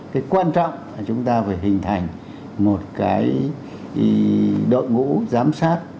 cái quan trọng là chúng ta phải hình thành một cái đội ngũ giám sát